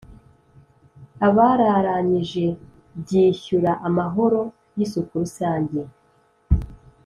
Abararanyije byishyura amahoro y isuku rusange